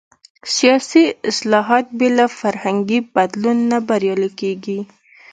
سیاسي اصلاحات بې له فرهنګي بدلون نه بریالي کېږي.